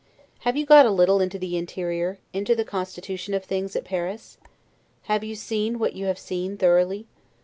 Are you got a little into the interior, into the constitution of things at Paris? Have you seen what you have seen thoroughly?